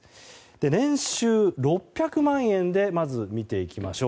年収６００万円でまず見ていきましょう。